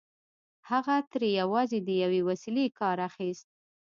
هغه ترې يوازې د يوې وسيلې کار اخيست.